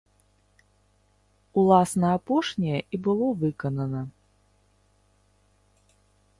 Уласна апошняе і было выканана.